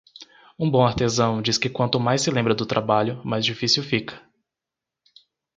Um bom artesão diz que quanto mais se lembra do trabalho, mais difícil fica.